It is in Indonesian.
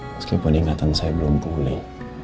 meski peningkatan saya belum pulih